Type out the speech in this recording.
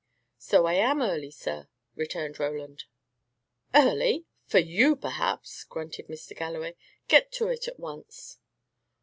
"So I am early, sir," returned Roland. "Early! for you perhaps," grunted Mr. Galloway. "Get to it at once."